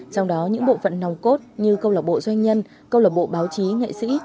trong đó những bộ phận nòng cốt như câu lạc bộ doanh nhân câu lạc bộ báo chí nghệ sĩ